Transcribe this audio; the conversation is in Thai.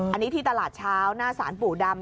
อันนี้ที่ตลาดเช้าหน้าสารปู่ดำ